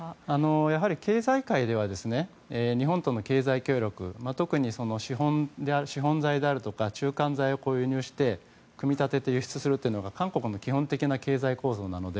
やはり経済界では日本との経済協力特に資本財であるとか中間財を購入して組み立てて輸出するというのが韓国の基本的な経済構造なので。